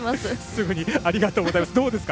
すぐにありがとうございます。